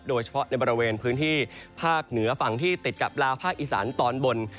โดยเฉพาะในบริเวณพื้นที่ภาคเหนือฝั่งที่ติดกับลาวภาคอีสานตอนบน